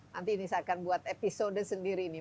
nanti ini saya akan buat episode sendiri nih